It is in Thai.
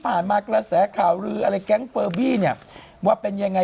อ้าวจบแล้วหรอขอขอบคุณล่ะ